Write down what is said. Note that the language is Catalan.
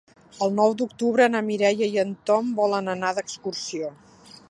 El nou d'octubre na Mireia i en Tom volen anar d'excursió.